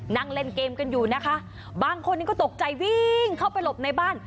นั่งเล่นเกมกันอยู่นะคะบางคนนี้ก็ตกใจวิ่งเข้าไปหลบในบ้าน